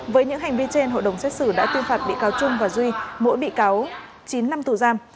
với những hành vi trên hội đồng xét xử đã tuyên phạt bị cáo trung và duy mỗi bị cáo chín năm tù giam